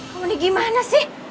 kamu ini gimana sih